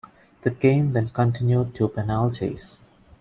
The game then continued to penalties.